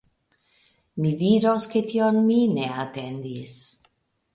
Mi dirus, ke tion mi ne atendis.